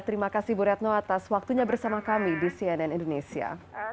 terima kasih bu retno atas waktunya bersama kami di cnn indonesia